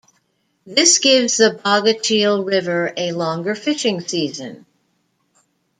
This gives the Bogachiel River a longer fishing season.